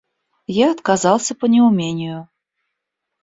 Я отказался по неумению.